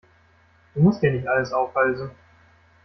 Du musst dir nicht alles aufhalsen.